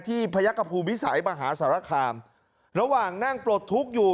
พระยักษภูมิวิสัยมหาสารคามระหว่างนั่งปลดทุกข์อยู่